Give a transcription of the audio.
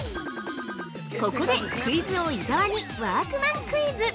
◆ここでクイズ王・伊沢にワークマンクイズ！